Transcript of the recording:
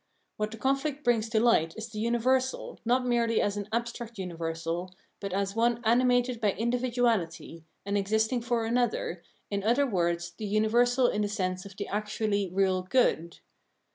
What the conflict brings to light is the universal, not merely as an abstract universal, but as one animated by individuality, and existing for an other, in other words the universal in the sense of»the actually real good.